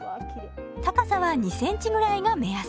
高さは２センチぐらいが目安。